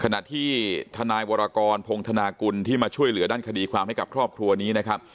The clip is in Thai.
ขณะที่ทนายวรกรพงธนากุลที่มาช่วยเหลือด้านคดีความให้กับครอบครัวนี้นะครับ